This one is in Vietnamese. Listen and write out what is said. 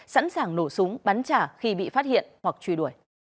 sẵn sàng nổ súng bắn trả khi bị phát hiện hoặc truy đuổi